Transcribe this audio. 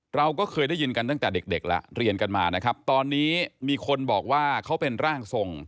เราก็เคยได้ยินกันตั้งแต่เด็กเด็กแล้วเรียนกันมานะครับตอนนี้มีคนบอกว่าเขาเป็นร่างทรง